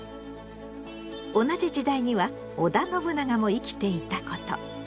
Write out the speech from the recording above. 同じ時代には織田信長も生きていたこと。